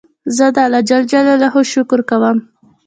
زه د الله جل جلاله شکر کوم.